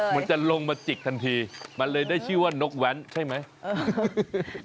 มันจะลงมาจิกทันทีมันเลยได้ชื่อว่านกแว้นใช่ไหม